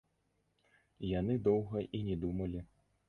Яны доўга і не думалі.